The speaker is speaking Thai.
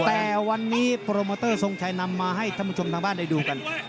แนวันนี้พารอมโมเตอร์จนโชคให้ที่ชมชมทางบ้านมาได้ดูกัน